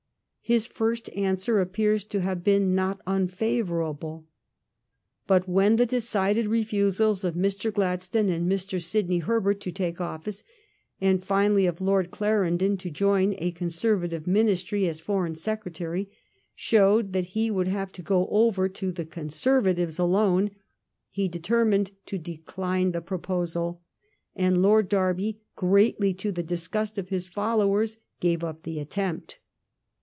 His first answer appears to have been not unfayourable. But when the decided refusals of Mr. Gladstone and Mr. Sidney Herbert to take o£Sce, and finally of Lord Clarendon to join a Conservative ministry as Foreign Secretary, showed that he would have to go over to the Conservatives alone, he determined to decline the proposal, and Lord Derby, greatly to the disgust of his followers, gave up the attempt.